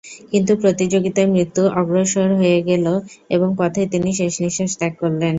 কিন্তু প্রতিযোগিতায় মৃত্যু অগ্রসর হয়ে গেল এবং পথেই তিনি শেষ নিঃশ্বাস ত্যাগ করলেন।